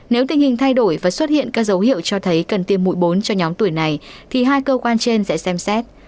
nếu tình hình thay đổi và xuất hiện các dấu hiệu cho thấy cần tiêm mũi bốn cho nhóm tuổi này thì hai cơ quan trên sẽ xem xét